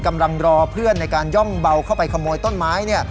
กำลังรอเพื่อนในการย่องเบาเข้าไปขโมยต้นไม้